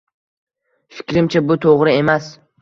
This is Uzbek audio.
Fikrimcha, bu to'g'ri emas.